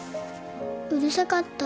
うるさかった？